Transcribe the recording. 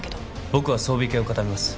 僕は装備系を固めます。